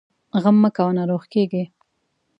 غم مه کوه ، ناروغ کېږې!